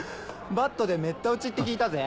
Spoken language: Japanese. バットでめった打ちって聞いたぜ。